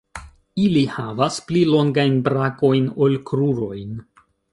Ili havas pli longajn brakojn ol krurojn.